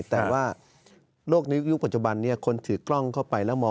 แต่ว่าโลกนี้ยุคปัจจุบันนี้คนถือกล้องเข้าไปแล้วมอง